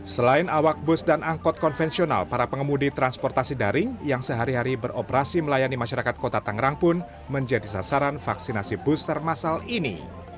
selain awak bus dan angkot konvensional para pengemudi transportasi daring yang sehari hari beroperasi melayani masyarakat kota tangerang pun menjadi sasaran vaksinasi booster masal ini